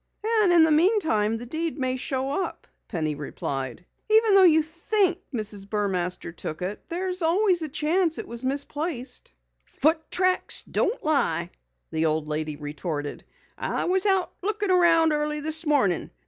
"And in the meantime, the deed may show up," Penny replied. "Even though you think Mrs. Burmaster took it, there's always a chance that it was only misplaced." "Foot tracks don't lie," the old lady retorted. "I was out lookin' around early this morning.